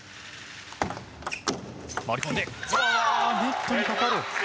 回り込んでネットにかかる。